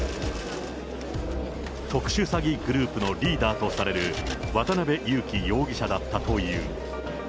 特殊詐欺グループのリーダーとされる渡辺優樹容疑者だったという。